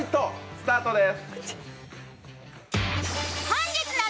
スタートです。